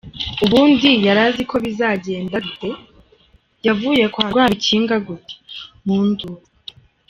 Uubundi yarazi ko bizagenda bite? Yavuye kwa Rwabikinga gute? Mu nduru.